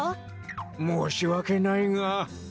もうしわけないが。